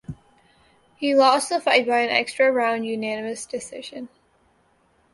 He lost the fight by an extra round unanimous decision.